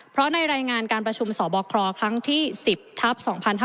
เพราะในรายงานการประชุมสบคครั้งที่๑๐ทัพ๒๕๕๙